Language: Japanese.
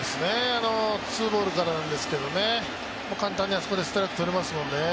ツーボールからなんですけど簡単にあそこでストレートとれますもんね。